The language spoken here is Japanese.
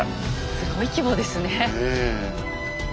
すごい規模ですね。